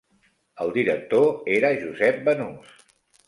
El director era Josep Banús.